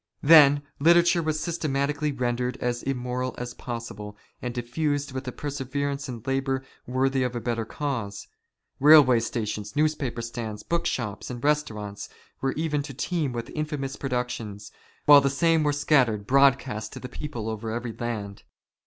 Then literature was systematically rendered as immoral as possible,, and diffused with a perseverance and labour worthy of a better cause. Kailway stations, newspaper stands, book shops, and restaurants, were made to teem with infamous produc tions, while the same were scattered broadcast to the people over every land.